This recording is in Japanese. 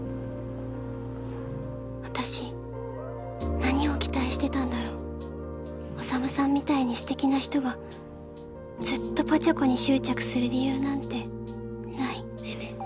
私何を期待してたんだろう宰さんみたいにステキな人がずっとぽちゃ子に執着する理由なんてないねえねえ